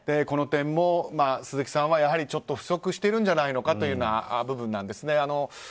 この点も鈴木さんは、やはり不足しているんじゃないかというような部分なんですね。